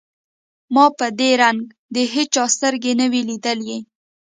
ما په دې رنگ د هېچا سترګې نه وې ليدلې.